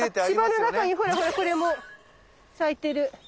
芝の中にほらほらこれも咲いてる。